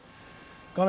画面